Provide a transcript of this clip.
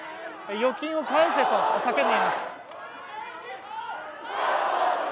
預金を返せと叫んでいます。